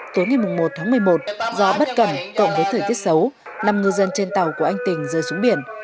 tối ngày một tháng một mươi một do bất cẩn cộng với thời tiết xấu năm ngư dân trên tàu của anh tình rơi xuống biển